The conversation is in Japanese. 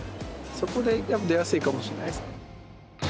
そこで出やすいかもしれないです。